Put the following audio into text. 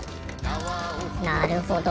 なるほど。